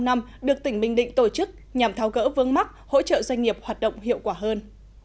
năm được tỉnh bình định tổ chức nhằm tháo gỡ vướng mắc hỗ trợ doanh nghiệp hoạt động hiệu quả hơn